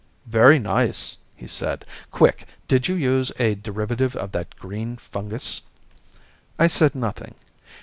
"Very nice," he said. "Quick. Did you use a derivative of that green fungus?" I said nothing.